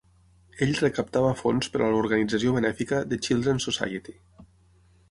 Ell recaptava fons per a l'organització benèfica The Children's Society.